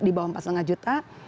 di bawah empat lima juta